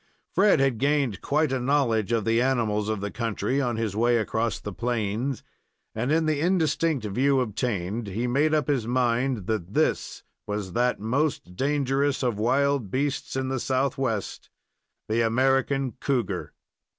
Fred had gained quite a knowledge of the animals of the country on his way across the plains, and in the indistinct view obtained he made up his mind that this was that most dangerous of wild beasts in the Southwest, the American cougar.